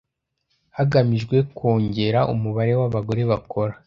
hagamijwe kongera umubare w abagore bakora